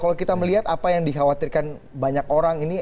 kalau kita melihat apa yang dikhawatirkan banyak orang ini